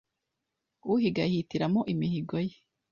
uhiga yihitiramo imihigo ye;